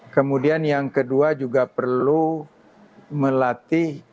kemudian yang kedua juga perlu melatih